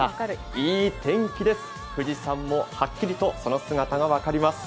いい天気です、富士山もはっきりとその姿が分かります。